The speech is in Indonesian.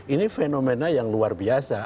ini fenomena yang luar biasa